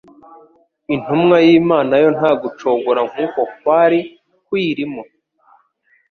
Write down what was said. Intumwa y'Imana yo nta gucogora nk'uko kwari kuyirimo,